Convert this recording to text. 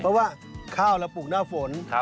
เพราะว่าข้าวเราปลูกหน้าฝน